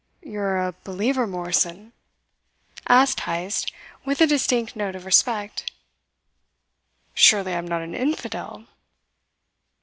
"You are a believer, Morrison?" asked Heyst with a distinct note of respect. "Surely I am not an infidel."